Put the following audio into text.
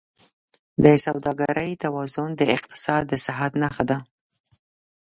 د سوداګرۍ توازن د اقتصاد د صحت نښه ده.